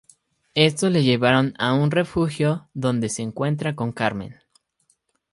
Estos le llevaran a un refugio donde se encuentra con Carmen.